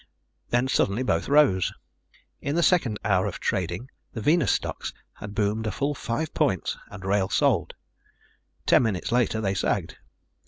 Then suddenly both rose. In the second hour of trading the Venus stocks had boomed a full five points and Wrail sold. Ten minutes later they sagged.